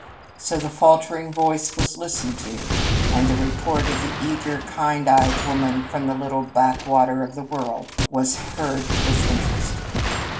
So the faltering voice was listened to, and the report of the eager, kind eyed woman from the little back water of the world was heard with interest.